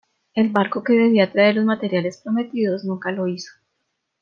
El barco que debía traer los materiales prometidos nunca lo hizo.